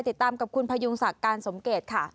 ติดตามกับคุณพยุงศักดิ์การสมเกตค่ะ